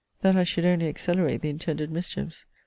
that I should only accelerate the intended mischiefs.